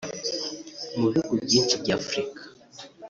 Mu bihugu byinshi bya Afurika